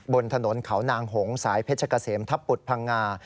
บนถนนเขานางหงสายเพชรเกษมทับปุฏพังงา